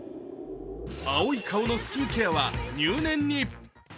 青い顔のスキンケアは入念に。